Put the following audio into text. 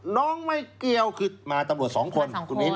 น้องไม่เกี่ยวคือมาตำรวจสองคน